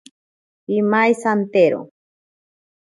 Pimaisantero.